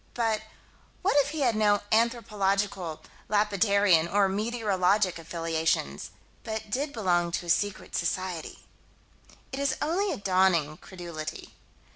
But what if he had no anthropological, lapidarian, or meteorological affiliations but did belong to a secret society It is only a dawning credulity.